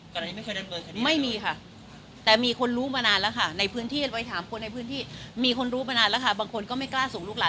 ทหารพี่บุ๋มได้ตรวจสอบประวัติอาชากรรมเขาไหมคะว่าเคยกระทำ